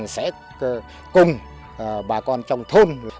sẽ cùng bà con trong thôn